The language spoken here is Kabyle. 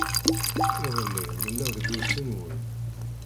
Iḍelli nella deg urti-nwen.